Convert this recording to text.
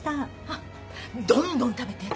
あっどんどん食べて。